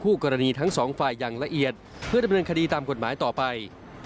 กรณีทั้งสองฝ่ายอย่างละเอียดเพื่อดำเนินคดีตามกฎหมายต่อไป